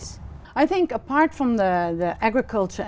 và không bị tổ chức